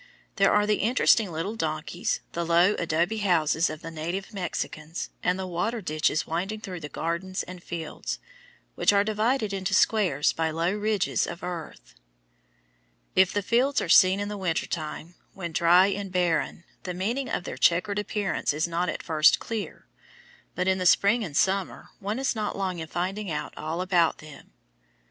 There are the interesting little donkeys, the low adobe houses of the native Mexicans, and the water ditches winding through the gardens and fields, which are divided into squares by low ridges of earth. If the fields are seen in the winter time, when dry and barren, the meaning of their checkered appearance is not at first clear, but in the spring and summer one is not long in finding out all about them.